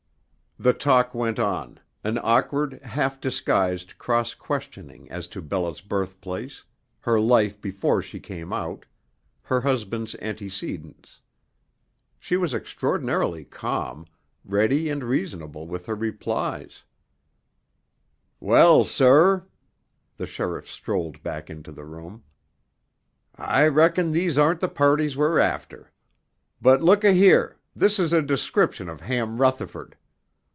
The talk went on, an awkward, half disguised cross questioning as to Bella's birthplace, her life before she came out, her husband's antecedents. She was extraordinarily calm, ready and reasonable with her replies. "Well, sir" the sheriff strolled back into the room "I reckon these aren't the parties we're after. But look a here, this is a description of Ham Rutherford.